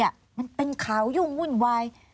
มันเป็นข่าวยุ่งวุ่นวาย